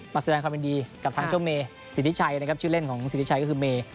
มาแสดงความยุคดีกับทางช่วงเมศรีธิชัยนะครับชื่อเล่นของของศรีธิชัยก็คือเม